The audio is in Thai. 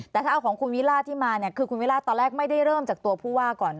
แต่ถ้าเอาของคุณวิราชที่มาเนี่ยคือคุณวิราชตอนแรกไม่ได้เริ่มจากตัวผู้ว่าก่อน